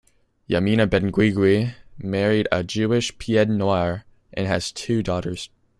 Yamina Benguigui married a Jewish pied-noir and has two daughters.